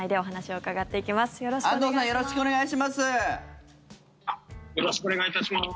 よろしくお願いします。